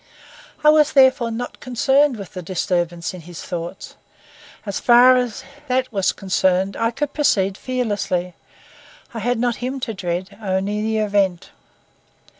I was, therefore, not connected with the disturbance in his thoughts. As far as that was concerned I could proceed fearlessly; I had not him to dread, only the event.